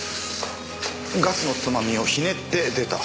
ガスのつまみをひねって出た。